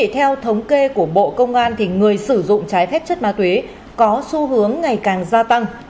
theo thống kê của bộ công an người sử dụng trái phép chất ma túy có xu hướng ngày càng gia tăng